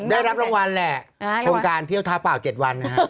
ได้รบรางวัลแหละอะไรกว่าโครงการเที่ยวท้าเปล่าเจ็ดวันนะคะ